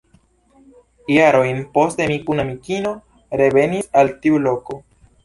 Jarojn poste mi kun amikino revenis al tiu loko.